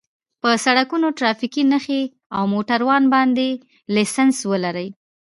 په سرکونو ټرافیکي نښې او موټروان باید لېسنس ولري